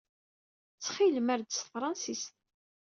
Ttxil-m, err-d s tefṛensist.